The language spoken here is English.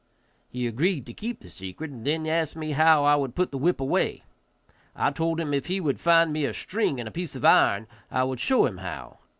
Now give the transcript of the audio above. He agreed to keep the secret, and then asked me how I would put the whip away. I told him if he would find me a string and a piece of iron I would show him how.